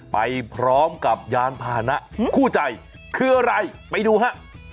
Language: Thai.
ไปพร้อมกับยานพานะคู่ใจคืออะไรไปดูฮะ